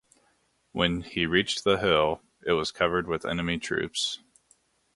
When he reached the hill, it was covered with enemy troops.